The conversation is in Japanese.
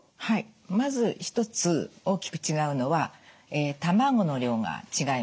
はいまず一つ大きく違うのは卵の量が違います。